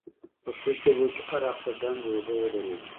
په څو شېبو کې هر اړخ ته ډنډ اوبه ودرېدې.